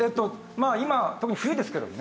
今特に冬ですけどもね。